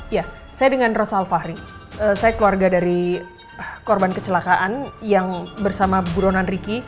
ya saya dengan rosal fahri saya keluarga dari korban kecelakaan yang bersama buronan riki